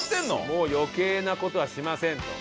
もう余計な事はしませんと。